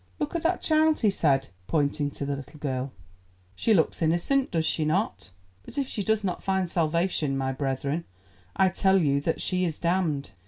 "Look at that child," he said, pointing to the little girl; "she looks innocent, does she not? but if she does not find salvation, my brethren, I tell you that she is damned.